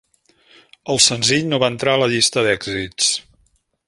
El senzill no va entrar a la llista d'èxits.